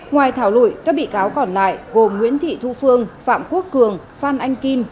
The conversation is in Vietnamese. ngoài thảo luận các bị cáo còn lại gồm nguyễn thị thu phương phạm quốc cường phan anh kim